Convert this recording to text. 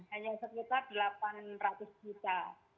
hanya sekitar delapan ratus juta